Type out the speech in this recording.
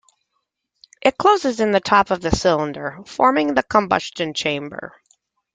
It closes in the top of the cylinder, forming the combustion chamber.